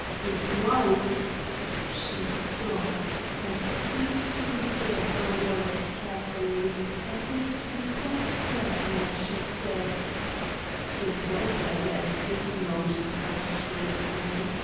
His wife" she stopped, and seemed to consider her words carefully, as if to be quite fair in what she said "his wife, I guess, didn't know just how to treat him.